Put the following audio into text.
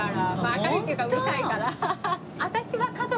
明るいっていうかうるさいから。